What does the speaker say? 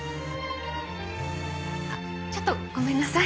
あっちょっとごめんなさい。